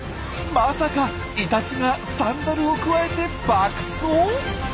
まさかイタチがサンダルをくわえて爆走！？